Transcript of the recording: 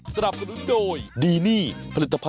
สวัสดีค่ะ